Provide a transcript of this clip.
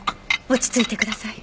落ち着いてください。